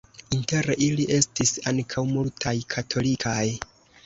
Inter ili estis ankaŭ multaj katolikaj.